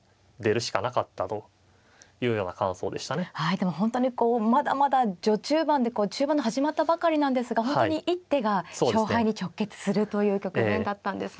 でも本当にまだまだ序中盤で中盤の始まったばかりなんですが本当に一手が勝敗に直結するという局面だったんですね。